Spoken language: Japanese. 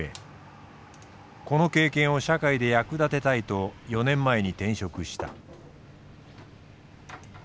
この経験を社会で役立てたいと４年前に転職した。